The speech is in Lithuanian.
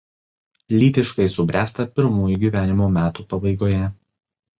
Lytiškai subręsta pirmųjų gyvenimo metų pabaigoje.